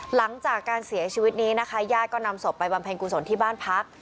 หลังจากการเสียชีวิตนี้นะคะญาติก็นำศพไปบำเพ็ญกุศลที่บ้านพัก